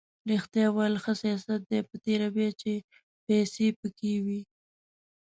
ریښتیا ویل ښه سیاست دی په تېره بیا چې پیسې پکې وي.